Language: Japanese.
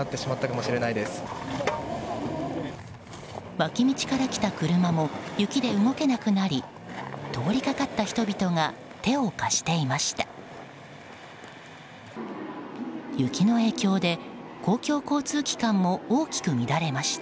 脇道から来た車も雪で動けなくなり通りかかった人々が手を貸していました。